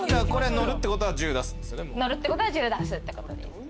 乗るってことは１０出すってことですね。